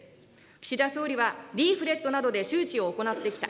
岸田総理は、リーフレットなどで周知を行ってきた。